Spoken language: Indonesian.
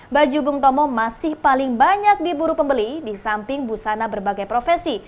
baju bung tomo masih paling banyak diburu pembeli di samping busana berbagai profesi